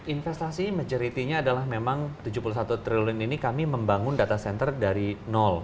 investasi majority nya adalah memang tujuh puluh satu triliun ini kami membangun data center dari nol